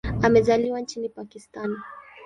Amezaliwa nchini Pakistan.